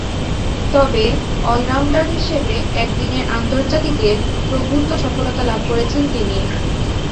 তবে, অল-রাউন্ডার হিসেবে একদিনের আন্তর্জাতিকে প্রভূতঃ সফলতা লাভ করেছেন তিনি।